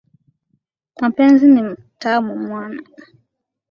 Mapenzi ni tamu mwana.